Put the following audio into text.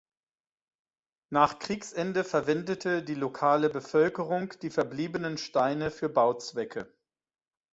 Nach Kriegsende verwendete die lokale Bevölkerung die verbliebenen Steine für Bauzwecke.